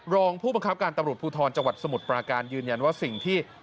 รองผู้บังคับการตำรวจภูทรจังหวัดสมุทรปราการยืนยันว่าสิ่งที่